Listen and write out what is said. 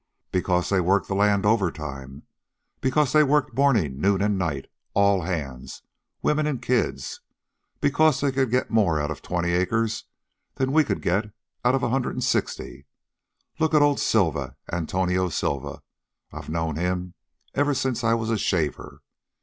"Because they worked the land overtime. Because they worked mornin', noon, an' night, all hands, women an' kids. Because they could get more out of twenty acres than we could out of a hundred an' sixty. Look at old Silva Antonio Silva. I've known him ever since I was a shaver.